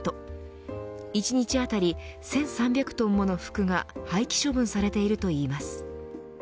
１日当たり１３００トンもの服が廃棄処分されているといいます。